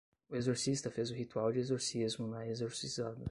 O exorcista fez o ritual de exorcismo na exorcizada